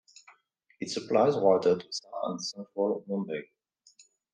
It supplies water to South and Central Mumbai.